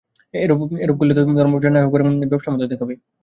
এরূপ করলে তা ধর্মপ্রচার না হয়ে বরং ব্যবসার মতই দেখাবে।